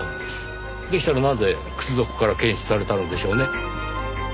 でしたらなぜ靴底から検出されたのでしょうね？